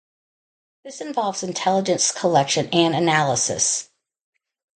This involves intelligence collection and analysis.